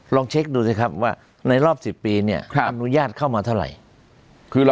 ลองเช็คดูสิครับว่าในรอบ๑๐ปีเนี่ยอนุญาตเข้ามาเท่าไหร่